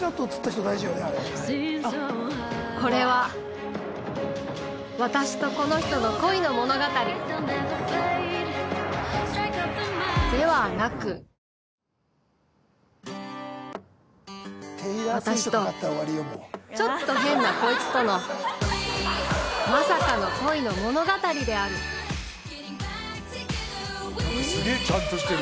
これは私とこの人の恋の物語ではなく私とちょっと変なコイツとのまさかの恋の物語であるすげぇちゃんとしてる。